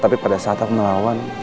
tapi pada saat melawan